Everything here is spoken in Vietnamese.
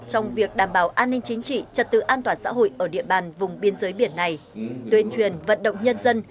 trong việc đảm bảo an ninh chính trị trật tự an toàn xã hội ở địa bàn vùng biên giới biển này tuyên truyền vận động nhân dân